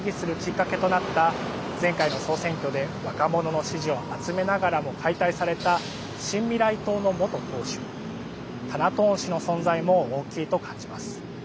また、若者たちが抗議するきっかけとなった前回の総選挙で若者の支持を集めながらも解体された新未来党の元党首タナトーン氏の存在も大きいと感じます。